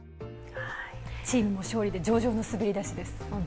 チームも勝利で上々の滑り出しです。